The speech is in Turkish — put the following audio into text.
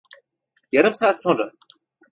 Yarım saat sonra.